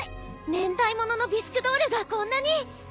年代物のビスクドールがこんなに。